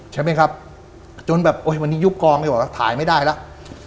ใช่ไหมครับจนคือวันนี้ฉุบกล้องดีกว่าถ่ายไม่ได้แล้ว